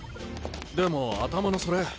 でも頭のそれ。